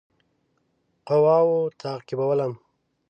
قواوو تعقیبولم.